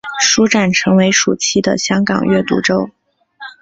书展成为暑期的香港阅读周。